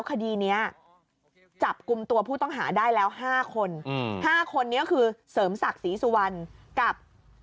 คดีนี้จับกลุ่มตัวผู้ต้องหาได้แล้ว๕คน๕คนนี้คือเสริมศักดิ์ศรีสุวรรณกับ